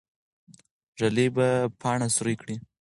ږلۍ به پاڼه سوری کړي.